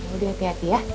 udah hati hati ya